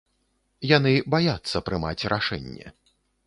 Яны баяцца прымаць рашэнне.